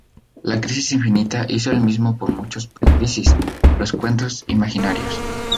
La Crisis infinita hizo el mismo con muchos Pre-crisis los Cuentos Imaginarios.